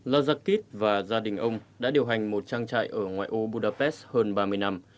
lazakit và gia đình ông đã điều hành một trang trại ở ngoài âu budapest hơn ba mươi năm